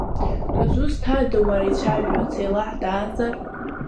Дызусҭада, уара, ицәажәо, Сеилаҳ даазар?